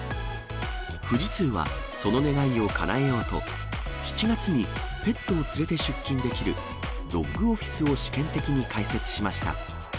富士通はその願いをかなえようと、７月にペットを連れて出勤できる、ドッグオフィスを試験的に開設しました。